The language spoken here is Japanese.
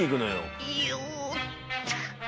「よっと」